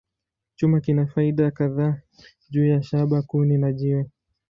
Chuma kina faida kadhaa juu ya shaba, kuni, na jiwe.